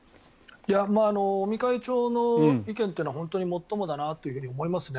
尾身会長の意見というのは本当にもっともだなと思いますね。